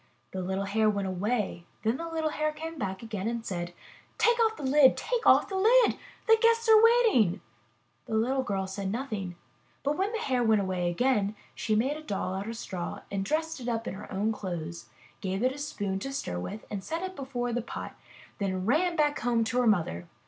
The little Hare went away; then the little Hare came back again and said: '*Take off the lid! Take off the lid! The guests are waiting!'' The little girl said nothing, but when the Hare went away again, she made a doll out of straw, dressed it up in her own clothes, gave it a spoon to stir with, set it before the pot, and ran back home to her mother!